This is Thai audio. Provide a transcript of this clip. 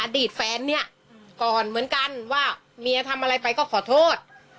อดีตแฟนเนี่ยก่อนเหมือนกันว่าเมียทำอะไรไปก็ขอโทษ